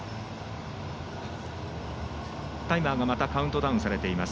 タイムはまたカウントダウンされています。